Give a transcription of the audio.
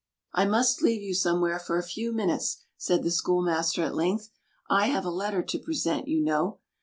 "I must leave you somewhere for a few minutes," said the schoolmaster at length. "I have a letter to present, you know.